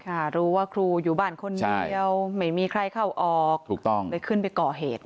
ค่ะรู้ว่าครูอยู่บ้านคนเดียวไม่มีใครเข้าออกถูกต้องเลยขึ้นไปก่อเหตุ